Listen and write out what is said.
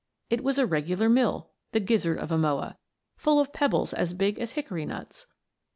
It was a regular mill the gizzard of a Moa full of pebbles as big as hickory nuts.